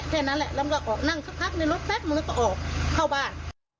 แค่นั้นแหละแล้วมันก็ออกนั่งคักในรถแป๊บมันก็ออกเข้าบ้าน